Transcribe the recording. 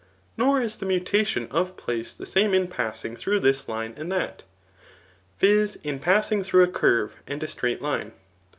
Nor is the mutation of place the same in passing through this line and that, [viz. in passing through a curve and a straight line.